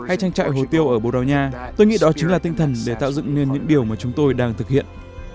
hay trang trại hồ tiêu ở boronia tôi nghĩ đó chính là tinh thần để tạo dựng nên những điều mà chúng tôi đang thực hiện